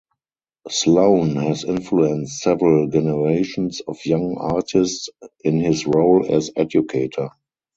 Sloan has influenced several generations of young artists in his role as educator.